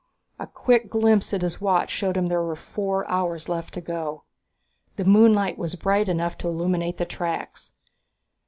A quick glimpse at his watch showed him there were four hours left to go. The moonlight was bright enough to illuminate the tracks.